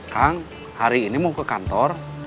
kang hari ini mau ke kantor